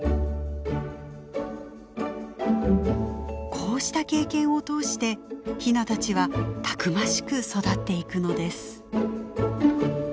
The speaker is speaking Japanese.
こうした経験を通してヒナたちはたくましく育っていくのです。